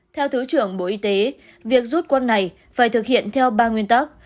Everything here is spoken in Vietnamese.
theo thứ trưởng bộ y tế việc rút quân này phải thực hiện theo ba nguyên tắc